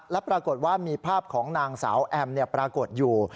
และปรากฏว่ามีภาพของนางสาวแอมปรากฏอยู่